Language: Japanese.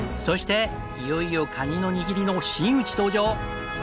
そしていよいよカニの握りの真打ち登場！